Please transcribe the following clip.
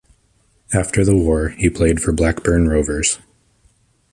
After the war he played for Blackburn Rovers.